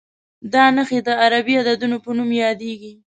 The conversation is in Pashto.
دا نښې د عربي عددونو په نوم یادېږي.